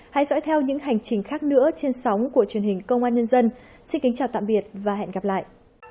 hãy dõi theo những hành trình khác nữa trên sóng của truyền hình công an nhân dân xin kính chào tạm biệt và hẹn gặp lại